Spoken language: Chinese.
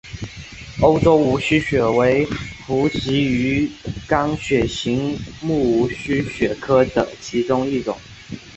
欧洲无须鳕为辐鳍鱼纲鳕形目无须鳕科的其中一种。